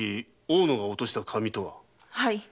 はい。